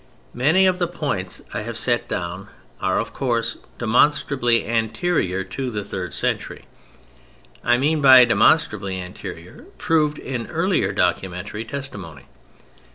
Many of the points I have set down are, of course, demonstrably anterior to the third century. I mean by "demonstrably" anterior, proved in earlier documentary testimony.